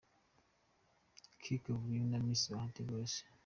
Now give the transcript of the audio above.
K Kavuyo na Miss Bahati Grace.